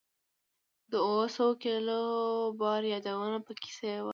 د اووه سوه کیلو بار یادونه په کې شوې وه.